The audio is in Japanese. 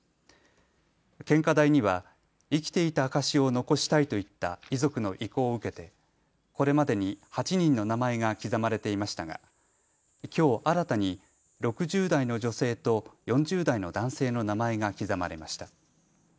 献花台には生きていた証を残したいといった遺族の意向を受けて、これまでに８人の名前が刻まれていましたがきょう新たに６０代の女性と４０代の男性の名前が刻まれました。